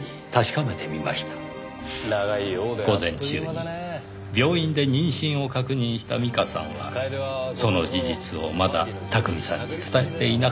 午前中に病院で妊娠を確認した美加さんはその事実をまだ巧さんに伝えていなかった。